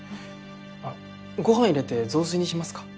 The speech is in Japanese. あっご飯入れて雑炊にしますか？